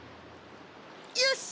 よし！